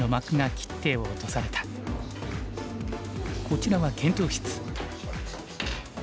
こちらは検討室。